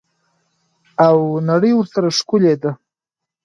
او نړۍ ورسره ښکلې ده.